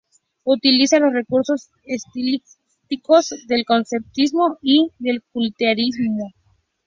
Utiliza los recursos estilísticos del conceptismo y del culteranismo.